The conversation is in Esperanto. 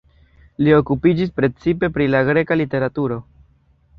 Li okupiĝis precipe pri la greka literaturo.